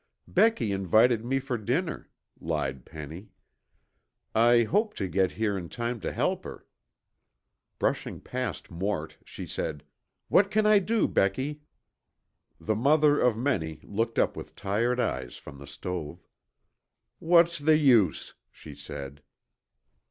"Becky invited me for dinner," lied Penny. "I hoped to get here in time to help her." Brushing past Mort she said, "What can I do, Becky?" The mother of many looked up with tired eyes from the stove. "What's the use?" she said.